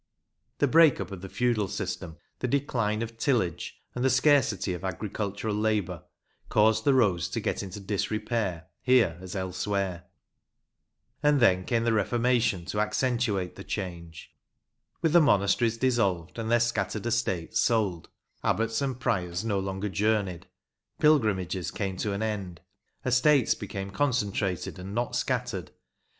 The break up of the feudal system, the decline of tillage, and the scarcity of agricultural labour, caused the roads to get into disrepair here as elsewhere. And then came the Reformation to accentuate the change. With the monasteries dissolved, and their scattered estates sold, abbots and priors no longer journeyed Pilgrimages came to an end Estates became concentrated and not scattered.